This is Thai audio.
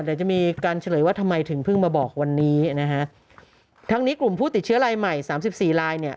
เดี๋ยวจะมีการเฉลยว่าทำไมถึงเพิ่งมาบอกวันนี้นะฮะทั้งนี้กลุ่มผู้ติดเชื้อรายใหม่สามสิบสี่ลายเนี่ย